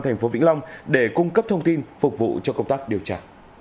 thành phố vĩnh long để cung cấp thông tin phục vụ cho công tác điều tra